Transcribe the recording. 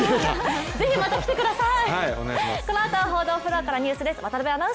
ぜひまた来てください。